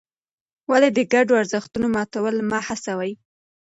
ولې د ګډو ارزښتونو ماتول مه هڅوې؟